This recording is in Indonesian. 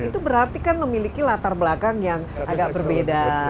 itu berarti kan memiliki latar belakang yang agak berbeda